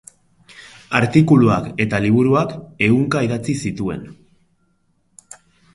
Artikuluak eta liburuak ehunka idatzi zituen.